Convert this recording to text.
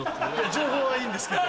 情報はいいんですけど。